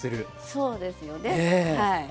そうですよねはい。